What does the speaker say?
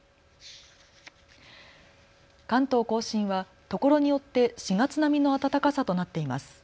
関東甲信はところによって４月並みの暖かさとなっています。